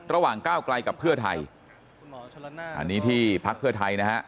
ก้าวไกลกับเพื่อไทยอันนี้ที่พักเพื่อไทยนะฮะ